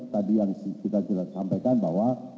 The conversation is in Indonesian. tadi yang kita sampaikan bahwa